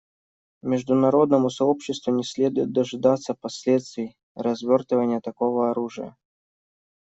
Международному сообществу не следует дожидаться последствий развертывания такого оружия.